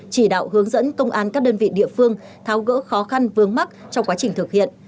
chỉ đạo hướng dẫn công an các đơn vị địa phương tháo gỡ khó khăn vướng mắt trong quá trình thực hiện